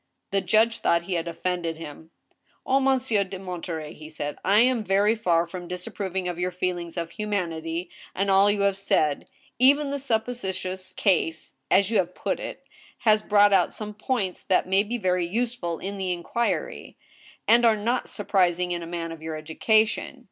The judge thought he had offended him. " O Monsieur de Monterey," he said, " I am very far from dis approving of your feelings of humanity and all you have said — even the supposititious case, as you have put it, has brought out some points that may be very useful in the inquiry — and are not surpris ing in a man of your education.